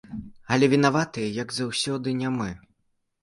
Але вінаватыя, як заўсёды, не мы.